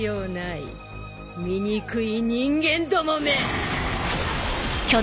醜い人間どもめ！